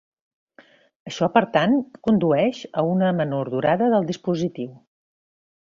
Això per tant condueix a una menor durada del dispositiu.